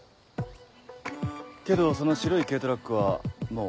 けどその白い軽トラックはもう。